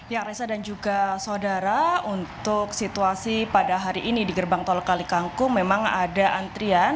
ya reza dan juga saudara untuk situasi pada hari ini di gerbang tol kalikangkung memang ada antrian